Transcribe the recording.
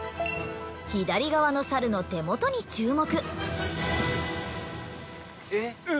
左側のサルの手元に注目。